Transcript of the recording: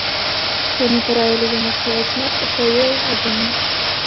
Яны параілі яму схаваць меч у сваёй адзенні.